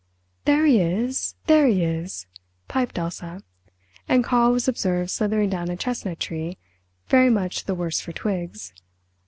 "There he is—there he is," piped Elsa, and Karl was observed slithering down a chestnut tree, very much the worse for twigs.